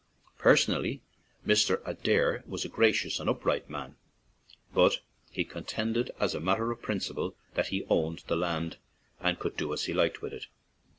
Personally, Mr. Adair was a gracious and upright man, but he contended, as a mat ter of principle, that he owned the land and could do as he liked with it.